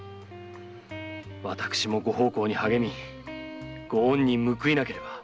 私もご奉公に励みご恩に報いなければ。